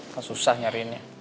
kan susah nyariinnya